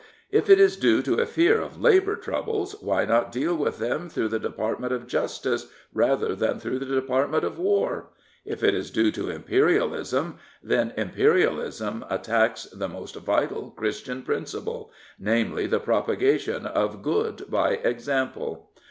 If it is due to a fear of labour troubles, why not deal vrith them through the Department of Justice rather than through the Department of War? If it is due to Imperialism, then Imperialism attacks the most vital Christian principle — namely, the propagation of good by example.